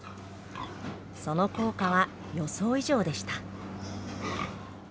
その効果は予想以上でした。